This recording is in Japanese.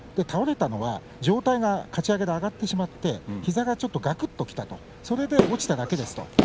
倒れたのは上体がかち上げで上がってしまって膝ががくんとした、それで落ちただけですと。